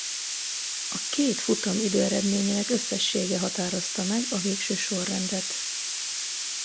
A két futam időeredményének összessége határozta meg a végső sorrendet.